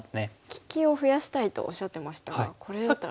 利きを増やしたいとおっしゃってましたがこれだったら。